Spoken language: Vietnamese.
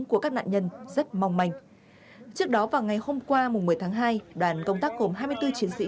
của các nạn nhân rất mong manh trước đó vào ngày hôm qua một mươi tháng hai đoàn công tác gồm hai mươi bốn chiến sĩ